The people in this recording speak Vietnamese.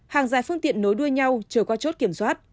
hàng dài phương tiện nối đuôi nhau chờ qua chốt kiểm soát